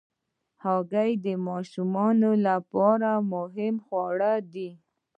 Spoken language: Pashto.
هګۍ د ماشومانو لپاره مهم خواړه دي.